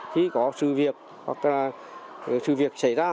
khi có sự việc hoặc là sự việc xảy ra